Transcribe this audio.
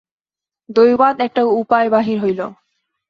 দৈবাৎ একটা উপায় বাহির হইল।